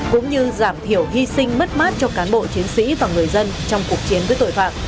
cũng như giảm thiểu hy sinh mất mát cho cán bộ chiến sĩ và người dân trong cuộc chiến với tội phạm